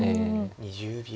２０秒。